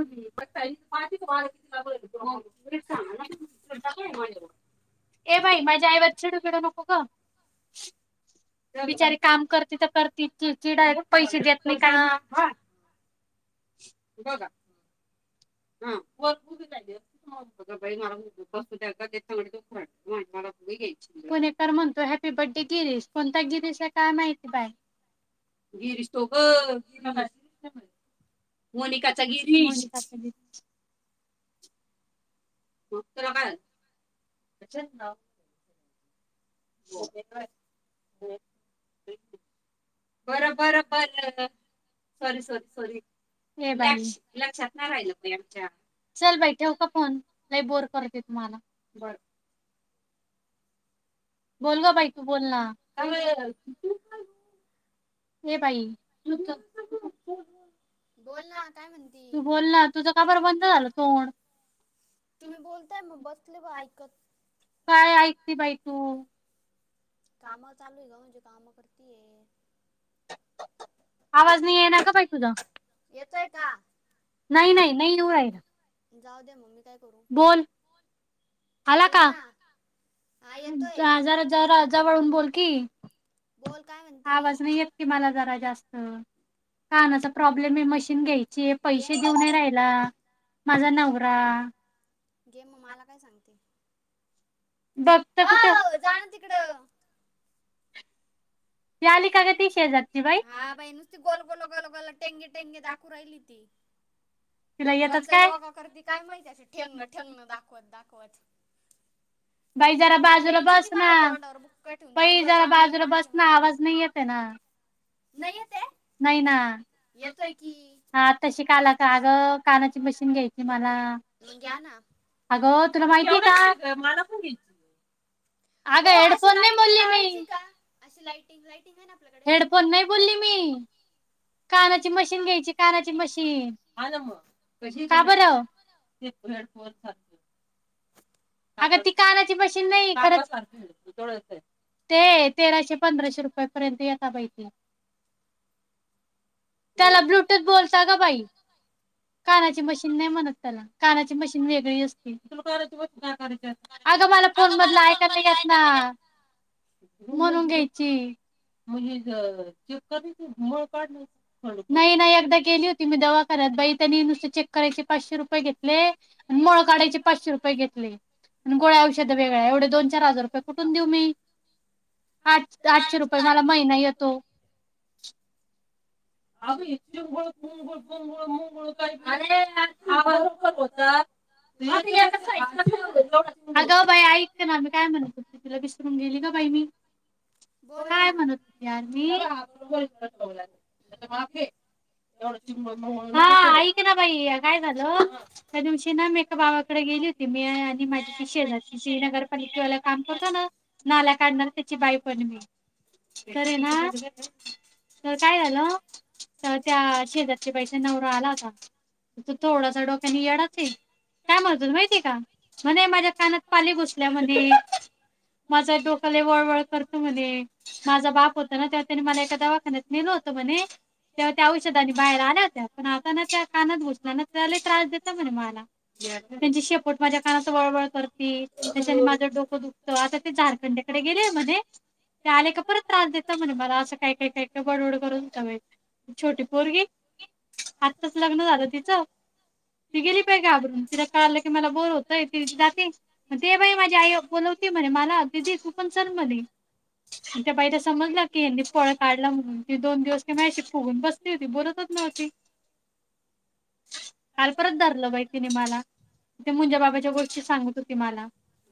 ए बाई माझे आई वर चिडू बिडू नको ग. [unintelligible] [unintelligible] बघा. [unintelligible] [unintelligible] [unintelligible] [unintelligible] बर बर बर सॉरी सॉरी सॉरी हे बाई लक्षात नाही राहिल आमच्या चल बाई ठेऊ का फोन लई बोर करते तु मला बर. बोल ग बाई, तू बोल ना बोल ना काय म्हणती? तुम्ही बोलताय मग बसले बाई ऐकत काय ऐकते बाई तू? काम लू आहे ग माझे. काम करतीये. आवाज नाही ये ना का बाई तुझा? येतोय का? नाही- नाही -नाही, येऊ राहील जाऊ द्या मग् मी काय करू? बोल ना हा येतोय जरा जवळून बोल की आवाज नाही येत की मला जरा जास्त कानाचा प्रॉब्लेम आहे मशीन घ्यायची पैसे देऊ नाही राहिला माझा नवरा घे मग, मला काय सांगती? बघतं कुठं ओ जा ना तिकडं ती आली का ग ती शेजारची बाई? हा बाई नुसती गोल -गोल -गोल गल टेंगे टेंगे दाखवू राहिली ती. कोणचा योगा करती काय माहिती असं ठेंगण ठेंगण दाखवत दाखवत. बाई जरा बाजूला बस ना बाई जरा बाजूला बस ना आवाज नाय् येत ना. नाही येतेय? नाही ना येतोय कि हा आत्ताशिक आला का अगं कानाची मशीन घ्यायची मला मग घ्या ना अगं तुला माहिती का केवढ्याला हाय ग मला अगं हेडफोन नाही बोलले मी? हेडफोन नाही बोलली मी? कानाची मशीन घ्यायची कानाची मशीन हा ना मग का बरं ते हेडफोनसारखं अग ती कानाची मशीन नाही खरं. ते केवढ्याचंय? ते तेराशे पंधराशे रुपय पर्यंत यता बाई ती. त्याला ब्लुटूथ बोलता ग बाई कानाची मशीन नाही म्हणत त्याला कानाची मशीन वेगळी असते तुला अगं मला फोन मधलं ऐकायला येत ना [inaudible] म्हणून घ्यायची म्हणजे चेक करायची मळ काढ नाही नाही एकदा गेली होती मी दवाखान्यात बाई त्यांनी नुसते चेक करायचे पाचशे रुपये घेतले आणि मळ काढायचे पाचशे रुपये घेत अन् गोळ्या औषध वेगळ्या एवढे दोन चार हजार रुपये कुठून देऊ मी? आठ आठशे रुपये मला महिना येतो. [inaudible] अगं बाई ऐक ना काय म्हणत होती तुला विसरून गेले ना बाई मी काय म्हणत होती मी? [inaudible] हा ऐक ना बाई काय झालं त्या दिवशी ना मी एका बाबाकडे गेली होती मी आणि माझी शेजारची ती नगरपालिकेवाला काम करतो ना नाला काढणारा त्याची बायको आणि मी तर हाय ना तर काय झालं तर त्या शेजारच्या बाईचा नवरा आला होता तो थोडासा डोक्यानी येडाच आहे काय म्हणत असल माहितीय का म्हणे माझ्या कानात पाणी घुसलंय म्हणे माझ्या डोकं लय वळवळ करत म्हणे माझा बाप होता ना त्या त्यानी मला एका दवाखान्यात नेलं होत म्हणे तेव्हा त्या औषधानी बाहेर आल्या होत्या पण आता ना त्या कानात घुसलं ना त्या त्रास देत म्हणे मला त्यांची शेपोट माझ्या कानात वळवळ करती त्याच्यानी माझं डोकं दुखतं आता ते झारखंडकडे गेले म्हणे ते आले का परत त्रास देत म्हणे मला असं काय काय काय का बडबड करून छोटी पोरगी आत्ताच लग्न झालं तिचं ती गेली पहि गाबरून तिला कळलं की मला बोर होतंय ती जाते ते बाई माझी आई बोोलवती म्हणे मला तीदी तू पण सल म्हणे त्या बाईला समजलं की फळ काढलं म्हणून ती दोन दिवस की माशी फुगून बसते होती बोलतच नव्हती काल परत धरलं बाहि तिने मला ते मुंजा बाबाच्या गोष्टी सांगत होती मला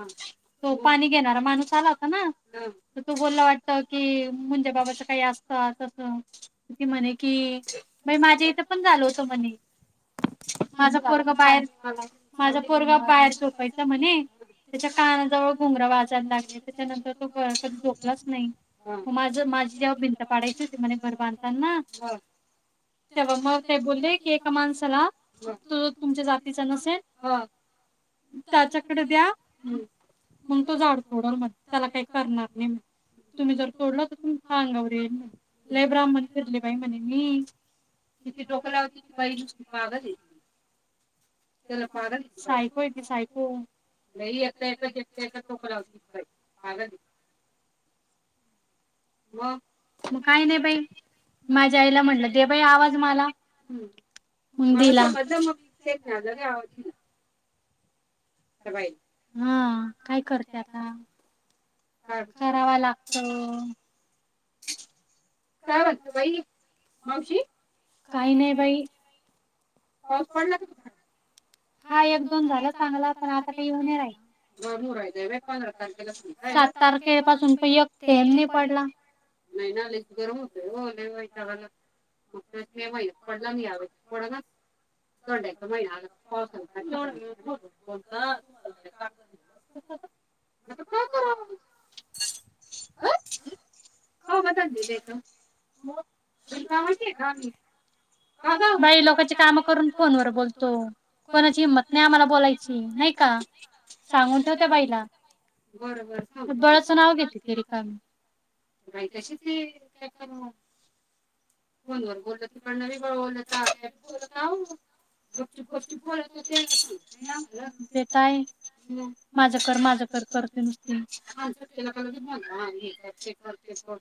तो पाणी घेणारा माणूस आला होता ना तर तू बोलला वाटत कि मुंजाबाबाच काही अस क म्हणे कि म माझ्या इथं पण झालो होतं म्हणे माझं परग बाहेर माझ परग बाहेर झोपायच म्हणे त्याच्या कानाजवळ घुमरा वाचायला लागले त्याच्यानंतर तो गर कधी झोपलाच नाही माझ माझी जेव्हा भिंत ाय घर बांधताना ते मग ते बोलले की कमान सला तो तुमच्या जातीचा नसेल त्याच्याकडे द्या मग तो झाड तोडल मग त्याला काही करणार नाही तुम्ही जर तोडला तर तुम अंगावर लयब्राम म्हणे ठरले बाई म्हणे मी तिथे डोक्याला होती बाई पागल पागल चला पाग सायको सायको नाही एक माझ्या डोकं लावते पागल आहे ती बाई मग मग काय नाही बाई माझ्या आईला म्हटलं ते बाई आवाज मला हम्म [unintelligible] हा काय करते आता. करावा लागत. काय वाटतं बाई मावशी काही नाही बाई पाऊस पडला का तुमच्याकडे हा एक दोन झाला चांगला पण आता काही येऊन नाही राहिलं हो रा गर रायय पंधरा तारखेला सात तारखे पाासून प एक थेंब नाही पडला नाही ना लईच गरम होतय ओ लय वैताग आला मागच्या वेळेस मे महिन्यात पडला आणि या वेळेस पडानाच धोंड्याचा महिना आला [unintelligible] [unintelligible] आता काय कराव मग कामधंदे देत बिनकामाचे का आम्ही का ग बाई लोकांची काम करून फोन वर बोलतो. कोणाची हिंमत नाही आम्हाला बोलायची हम्म नाही का सांगून ठेव त्या बाईला फुटबळाच नाव घेत त रिकामी ती बाई तशीच आहे चक्करम फोन व बोल पणारी ब बोलता त्या बी बोलतावत गुपचूप गुपचूप बोलवत होते सांगत तेे हाय माझं कर माझं कर करते नुसती [unintelligible] हा ते कर कर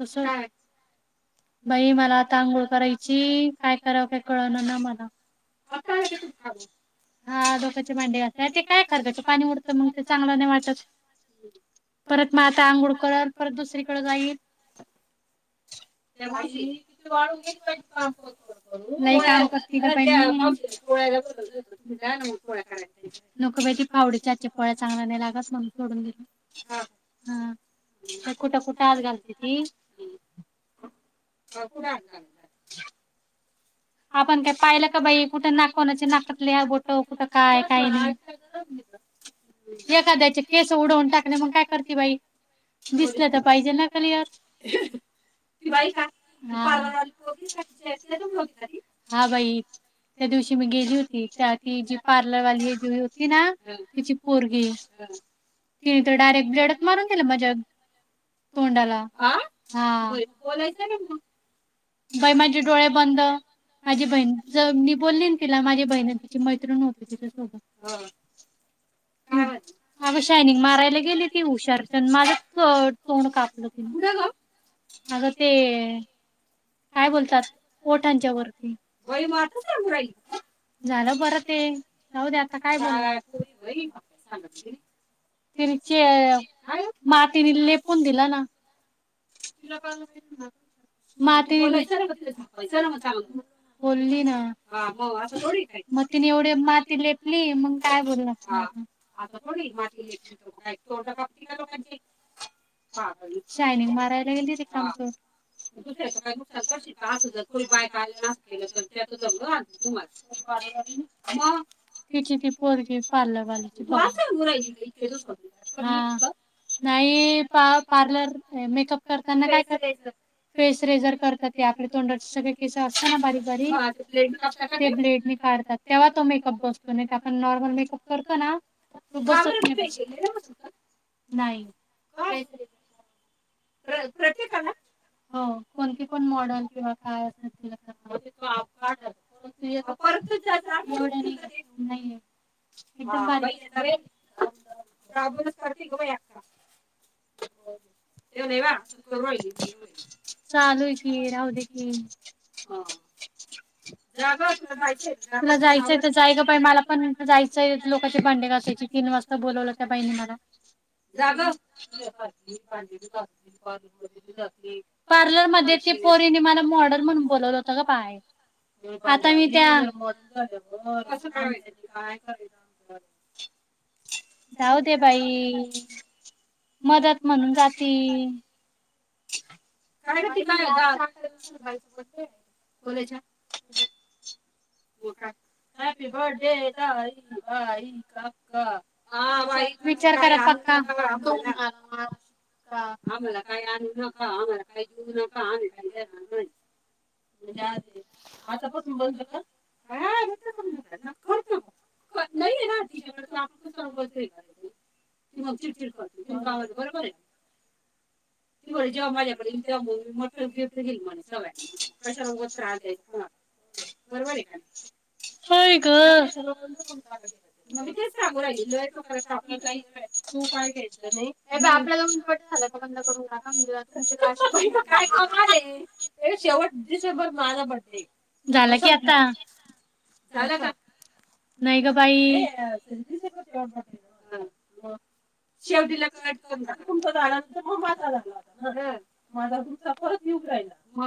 तस बाई मला आता आंघोळ करायची काय कराव काय कळ ना ना मला हा लोकाचे भांडे अस ते काय करकायच पाणी उरत मग ते चांगलं नाही वाटत परत मग आता आंघोळ करल परत दुसरीकडे जाईल की पावडीच्या आजच्या पोळ्या चांगल्या नाही लाग म्हणून सोडून कुठं कुठं आज घाल किती [unintelligible] आपण काय पाहिलं का बाई कुठे नाकणाचे नाकातले ह बोट कुठं काय काय नाही एखाद्याचे केस उडवून टाकणे मग काय करते बाई दिसलं तर पाहिजे ना शिवाईल [unintelligible] ती बाई का पार्लर वाली पोरगी हा बाई त्या दिवशी मी गेली होती त्या ती जी पार्लरवाली जी होती ना तिची पोरगी तिने तर डायरेक्ट ब्लेडच मारून दिला माझ्या तोंडाला आ बाई बोलायचं ना मग बाई माझे डोळे बंद माझी बहीण मी बोलली तिला माझी बहिण तिची मैत्रिण होती तिच्यासोबत अ शायनिंग मारायला गेली ती हुशारचंद माझ तोंड कापलं तीन कुठं ग अगं ते काय बोलतात ओठांच्या वरती बाई माता सांगू राहिली आ झालं बरं ते जाऊ आता काय बचे मातीले ण दिला ना बोलली ना हा अस थोडी हे काय म आता ती एवढी माती लपली मग काय बोलणार आपण अस कुठे तोंड कपटी काय लोकांची सॅन मारायला गेलीमच दुस्या का नुकसान करशील अस ज बाय तु ति ती पोरग पा नाही प पार्लर मेकअप करताना काय फेस रेजर करतात ते आपल्या तोंडाचे सगळे केस असतात ना बारीक बारी ब्लेड काढतात तेव्हा तो मेकअप बसतो आपण नॉर्मल मेकअप करतो ना त बसत नाही नाही ह प्रत्येकाला हो कोणती पण मॉडल किंवा काय असेल तिला कराव परतचडे रााबूनच करते ग बा अका हो हि म एवढ चालू राह दे की जा जायचंय जायचंय जाय गहि मला पण जायचंय लोकचे भांडे घायचे तीन वाजता बलावला त्या पाहि म बांडे पार्लर मध्ये ते पोरीने मला मॉर्डर म्हणून बलावलं होत का बाय आता मी त्या जाऊ दे बाई मदत म्हणून जात सी काय ब विचार आम्हाला काय आण आम्हाला काही देऊ नका आम्ही काही देणार नाही म्हणजे आता पासून बंद का काय्य करू नका करत का नाही रा तिच्याकडे तर आपण क बतोय करायचरी की मग चिडचिड करत बिन कामच बरोबर आहे क जेव्हा माझ्याकडे तेव्हा म म मोठ गफ घेईल म सय कशा र त्रास द बरोबर आहे का होय गो मग तेच सगू राहि टाू काय आपल्यालाट झाला ब करून टा स का शेवट डिसेंबर माझा बर्डे झाला कि आता झाला का नाही ग बाई डिसेंबर शे ब शेव दिला कट कर तुमच झाल्यानंतर मग माा झाला ह ह माझा दूनचा परत येऊ राहिला